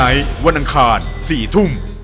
สวัสดีครับ